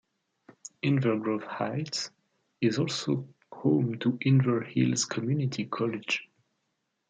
Inver Grove Heights is also home to Inver Hills Community College.